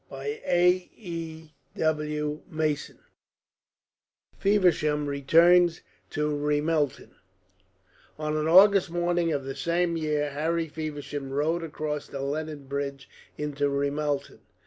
CHAPTER XXXI FEVERSHAM RETURNS TO RAMELTON On an August morning of the same year Harry Feversham rode across the Lennon bridge into Ramelton.